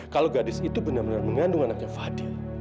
kalau gadis itu benar benar mengandung anaknya fadil